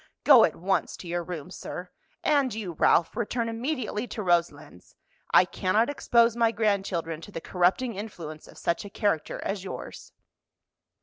Go at once to your room, sir. And you, Ralph, return immediately to Roselands. I cannot expose my grandchildren to the corrupting influence of such a character as yours."